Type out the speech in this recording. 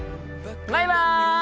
バイバイ！